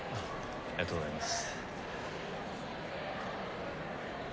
ありがとうございます。